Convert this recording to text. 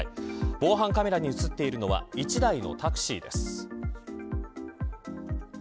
防犯カメラに映っているのは１台のタクシーです。